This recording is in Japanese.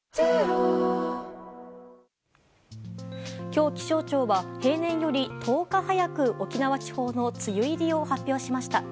今日、気象庁は平年より１０日早く沖縄地方の梅雨入りを発表しました。